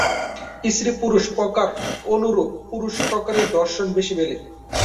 স্ত্রী-পুরুষ প্রকার অনুরূপ, পুরুষ প্রকারের দর্শন বেশি মেলে।